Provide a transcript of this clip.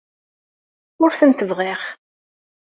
Ur tent-bɣiɣ.